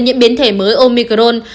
bị nhiễm biến thể mới omicron